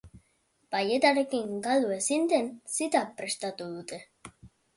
Balletarekin galdu ezin den zita prestatu dute.